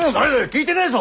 聞いてねえぞ！